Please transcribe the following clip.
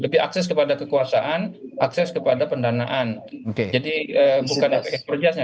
bukan efek ekor jasnya